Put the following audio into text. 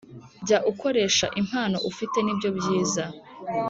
Jya ukoresha impano ufite nibyo byiza